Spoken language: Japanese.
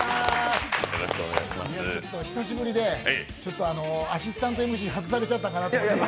久しぶりで、アシスタントＭＣ外されちゃったんかなって。